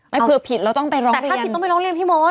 เผื่อผิดเราต้องไปร้องแต่ถ้าผิดต้องไปร้องเรียนพี่มด